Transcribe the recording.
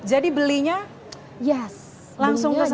jadi belinya langsung ke sana